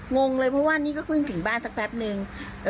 งงเลยเพราะว่านี่ก็เพิ่งถึงบ้านสักแป๊บนึง